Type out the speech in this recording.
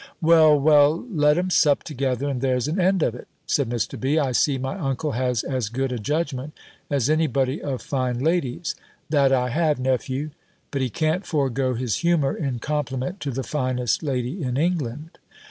"Well, well, let 'em sup together, and there's an end of it," said Mr. B. "I see my uncle has as good a judgment as any body of fine ladies." ("That I have, nephew.") "But he can't forgo his humour, in compliment to the finest lady in England."